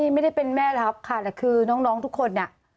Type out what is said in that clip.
ไม่ได้เป็นแม่ทัพค่ะแต่คือน้องทุกคนน่ะ